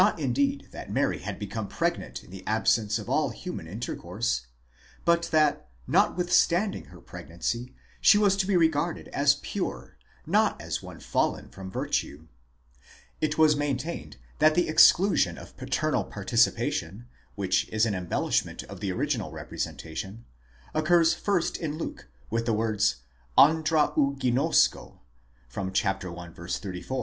indeed that Mary had become pregnant in the absence of all human inter course, but that notwithstanding her pregnancy she was to be regarded as pure, not as one fallen from virtue. It was maintained that the exclusion of paternal participation—which is an embellishment of the original representa tion—occurs first in Luke in the words ἄνδρα οὐ γινώσκω (i. 34).